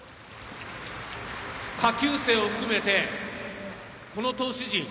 下級生を含めてこの投手陣。